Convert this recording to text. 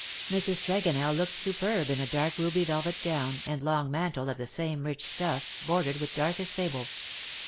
Mrs. Tregonell looked superb in a dark ruby velvet gown, and long mantle of the same rich stuff, bordered with darkest sable.